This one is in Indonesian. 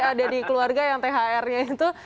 ada di keluarga yang thrnya itu